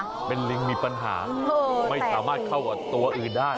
เป็นลิงมีปัญหาไม่สามารถเข้ากับตัวอื่นได้